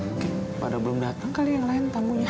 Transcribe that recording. oke pada belum datang kali yang lain tamunya